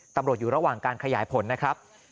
ตำรวจอยู่ระหว่างการขยายผลนะครับ